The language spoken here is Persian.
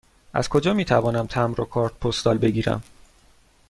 از کجا می توانم تمبر و کارت پستال بگیرم؟